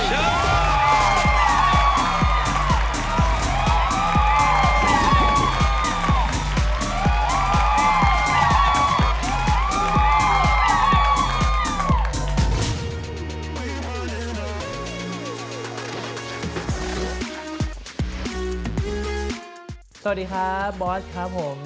สวัสดีครับบอสครับผม